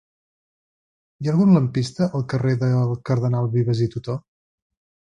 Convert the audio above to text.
Hi ha algun lampista al carrer del Cardenal Vives i Tutó?